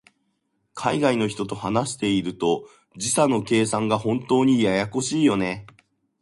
海外の人と話していると、時差の計算が本当にややこしいよね。